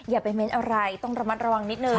อย่าไปเม้นอะไรต้องระมัดระวังนิดนึง